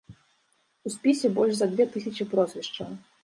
У спісе больш за дзве тысячы прозвішчаў.